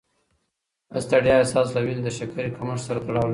د ستړیا احساس له وینې د شکرې کمښت سره تړاو لري.